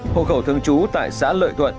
hộ khẩu thương chú tại xã lợi thuận